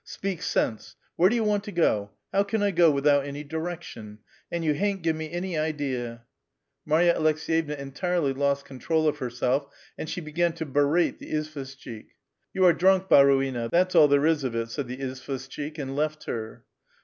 Speak sense ; where do you want to go ? How can I go without any directions ? And you hain't given me any idea." Maiya Aleks^yevna entirely lost control of herself, and she began to berate the izvosJichik. ''You are drunk, baruina; that's all there is of it," said the izvoshchik. and left her.